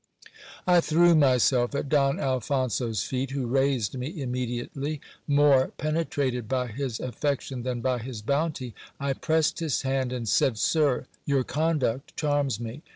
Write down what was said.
I threw myself at Don Alphonso's feet, who raised me immediately. More penetrated by his affection than by his bounty, I pressed his hand and said, Sir, your conduct charms me.